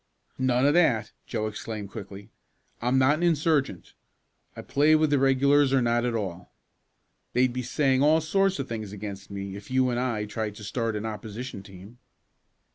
"None of that!" Joe exclaimed quickly. "I'm not an insurgent. I play with the regulars or not at all. They'd be saying all sorts of things against me if you and I tried to start an opposition team."